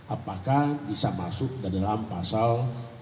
apakah bisa masuk ke dalam pasal